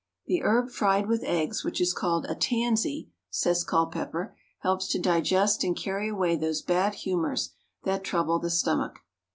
"The herb fried with eggs which is called a 'tansy,'" says Culpepper, "helps to digest and carry away those bad humors that trouble the stomach."